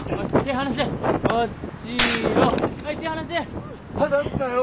離すなよ。